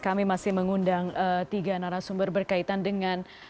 kami masih mengundang tiga narasumber berkaitan dengan